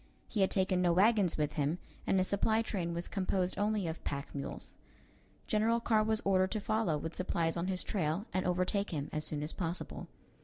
He had taken no wagons with him, and his supply train was composed only of pack mules. General Carr was ordered to follow with supplies on his trail and overtake him as soon as possible.